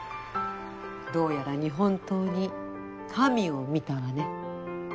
どうやら日本刀に神を見たわね。